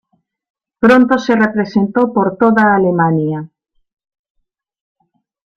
Pronto se representó por toda Alemania.